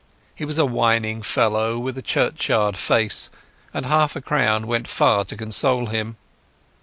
He was a whining fellow with a churchyard face, and half a crown went far to console him.